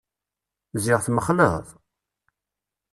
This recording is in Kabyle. Ziɣ tmexleḍ!